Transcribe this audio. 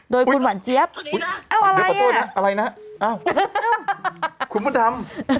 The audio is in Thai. โดยคุณหวันเจี๊ยบเอ้าอะไรน่ะอะไรน่ะอ้าวคุณพ่อดำ